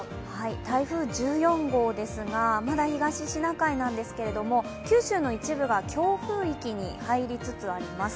台風１４号ですが、まだ東シナ海なんですけれども、九州の一部が強風域に入りつつあります。